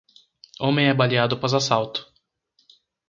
Homem é baleado após assalto